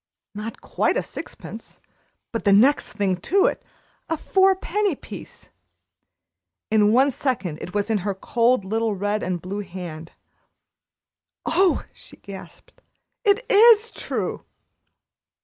Not quite a sixpence, but the next thing to it a four penny piece! In one second it was in her cold, little red and blue hand. "Oh!" she gasped. "It is true!"